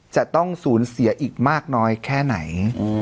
จะต้องสูญเสียอีกมากน้อยแค่ไหน